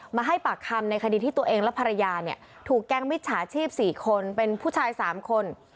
มาให้ปากคำในคดีที่ตัวเองและภรรยาเนี่ยถูกแก๊งมิจฉาชีพ๔คนเป็นผู้ชาย๓คน